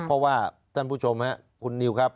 เพราะว่าท่านผู้ชมครับคุณนิวครับ